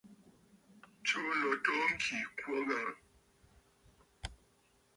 Tsùu ló too ŋkì ɨ kwo a aghəŋə̀.